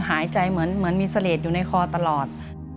หายใจเหมือนมีเสลดอยู่ในคอตลอด